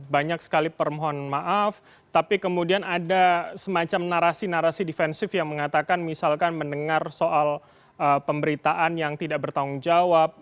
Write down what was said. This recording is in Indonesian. banyak sekali permohon maaf tapi kemudian ada semacam narasi narasi defensif yang mengatakan misalkan mendengar soal pemberitaan yang tidak bertanggung jawab